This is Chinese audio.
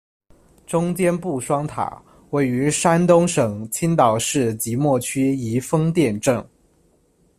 中间埠双塔，位于山东省青岛市即墨区移风店镇。